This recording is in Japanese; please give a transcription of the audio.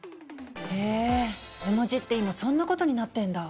へえ絵文字って今そんなことになってんだ。